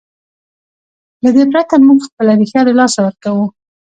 له دې پرته موږ خپله ریښه له لاسه ورکوو.